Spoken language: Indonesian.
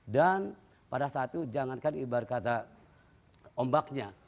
dan pada saat itu jangankan ibarat kata ombaknya